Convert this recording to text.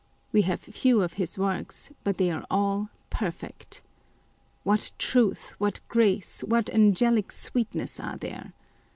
We have few of his works, but they are all perfect. What truth, what grace, what angelic sweetness are there